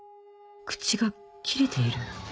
口が切れている？